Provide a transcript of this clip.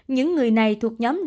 những người này thuộc nhóm đa phần